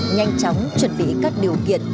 nhanh chóng chuẩn bị các điều kiện